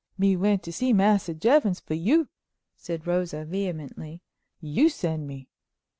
"Me went to see Massa Jevons for you," said Rosa vehemently; "you send me."